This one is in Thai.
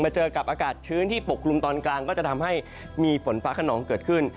เจอกับอากาศชื้นที่ปกลุ่มตอนกลางก็จะทำให้มีฝนฟ้าขนองเกิดขึ้น